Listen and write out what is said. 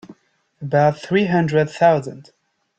About three hundred thousand.